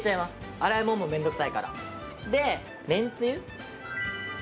洗い物もめんどくさいから。でめんつゆ。